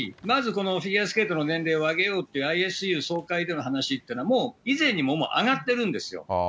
まずこのフィギュアスケートの年齢を上げようと、ＩＳＵ総会の話っていうのは、以前にもう上がってるんですよ。